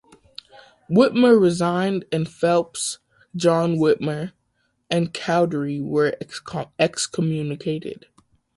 Whitmer resigned and Phelps, John Whitmer, and Cowdery were excommunicated.